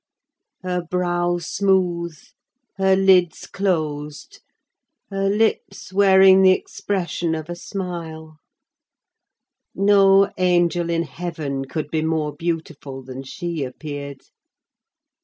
Her brow smooth, her lids closed, her lips wearing the expression of a smile; no angel in heaven could be more beautiful than she appeared.